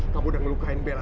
kamu udah ngelukain bella